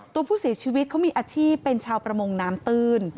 ตัวผู้เสียชีวิตเขามีอาชีพเป็นชาวประมงน้ำตื้น